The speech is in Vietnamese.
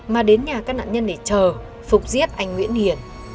mà đến nhà các nạn nhân để chờ phục giết anh nguyễn hiền